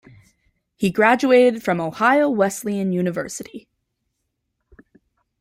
He graduated from Ohio Wesleyan University.